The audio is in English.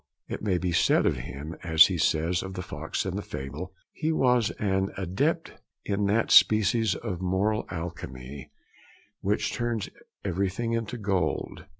It may be said of him, as he says of the fox in the fable: 'He was an adept in that species of moral alchemy, which turns everything into gold.'